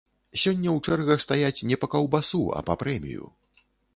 Сёння ў чэргах стаяць не па каўбасу, а па прэмію.